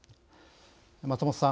松本さん